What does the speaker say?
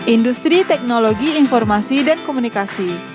industri teknologi informasi dan komunikasi